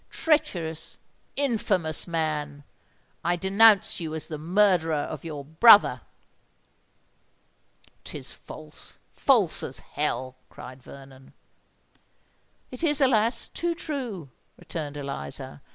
Treacherous—infamous man, I denounce you as the murderer of your brother!" "'Tis false—false as hell!" cried Vernon. "It is, alas! too true," returned Eliza.